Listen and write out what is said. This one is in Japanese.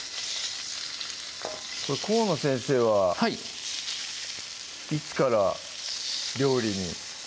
河野先生ははいいつから料理に？